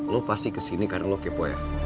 lo pasti ke sini karena lo kepo ya